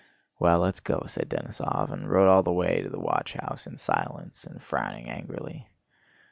"Well, let's go," said Denísov, and rode all the way to the watchhouse in silence and frowning angrily.